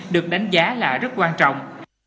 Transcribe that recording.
được đánh giá là rất quan trọng